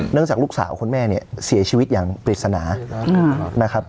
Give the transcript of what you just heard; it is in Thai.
จากลูกสาวคุณแม่เนี่ยเสียชีวิตอย่างปริศนานะครับ